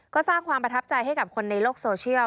ก็สร้างความประทับใจให้กับคนในโลกโซเชียล